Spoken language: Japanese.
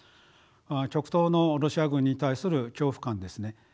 極東のロシア軍に対する恐怖感ですね。